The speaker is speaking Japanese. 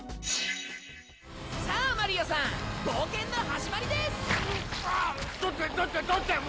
さあ、マリオさん冒険の始まりです。